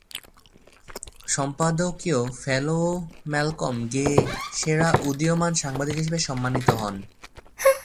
সম্পাদকীয় fellow Malcolm Gay সেরা উদীয়মান সাংবাদিক হিসেবে সম্মানিত হন।